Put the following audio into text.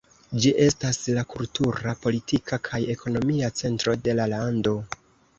Ĝi estas la kultura, politika kaj ekonomia centro de la lando.